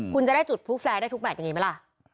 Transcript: คุณจะได้จุดพลุแฟร์ได้ทุกแมทอย่างนี้ไหมล่ะ